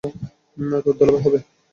তোর দুলাভাই হবে।